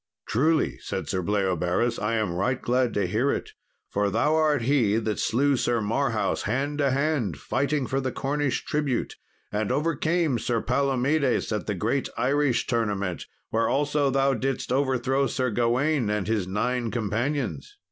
"Truly," said Sir Bleoberis, "I am right glad to hear it, for thou art he that slew Sir Marhaus hand to hand, fighting for the Cornish tribute; and overcame Sir Palomedes at the great Irish tournament, where also thou didst overthrow Sir Gawain and his nine companions."